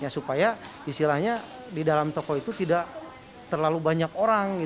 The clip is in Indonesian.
supaya istilahnya di dalam toko itu tidak terlalu banyak orang